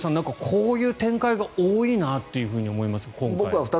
こういう展開が多いなと思います。